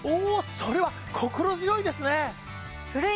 それは心強いですね！